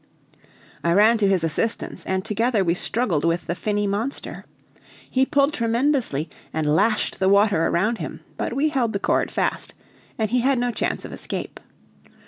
I ran to his assistance, and together we struggled with the finny monster. He pulled tremendously, and lashed the water around him; but we held the cord fast, and he had no chance of escape.